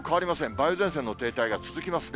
梅雨前線の停滞が続きますね。